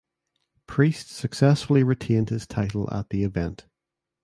Priest successfully retained his title at the event.